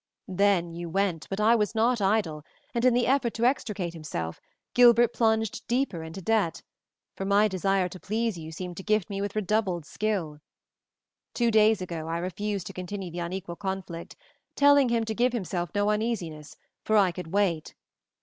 Then you went, but I was not idle, and in the effort to extricate himself, Gilbert plunged deeper into debt; for my desire to please you seemed to gift me with redoubled skill. Two days ago I refused to continue the unequal conflict, telling him to give himself no uneasiness, for I could wait.